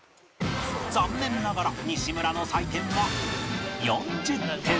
残念ながら西村の採点は